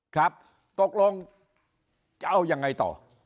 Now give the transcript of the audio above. ครับตกลงจะเอายังไงต่อ